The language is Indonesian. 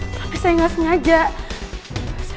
tapi saya gak sengaja